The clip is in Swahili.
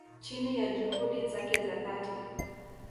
chini ya juhudi zake za dhati